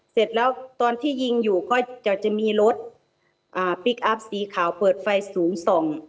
เสร็จแล้วตอนที่ยิงอยู่ก็จะมีรถอ่าพลิกอัพสีขาวเปิดไฟสูงส่อง